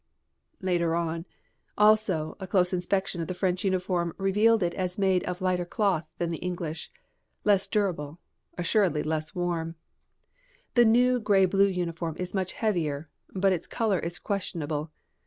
Later on, also, a close inspection of the old French uniform revealed it as made of lighter cloth than the English, less durable, assuredly less warm. The new grey blue uniform is much heavier, but its colour is questionable.